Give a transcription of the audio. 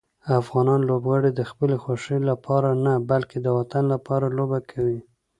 افغان لوبغاړي د خپلې خوښۍ لپاره نه، بلکې د وطن لپاره لوبه کوي.